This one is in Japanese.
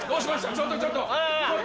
ちょっとちょっと。